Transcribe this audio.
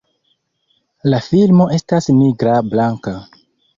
La filmo estas nigra-blanka.